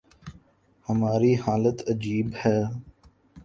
ہماری حالت عجیب ہے۔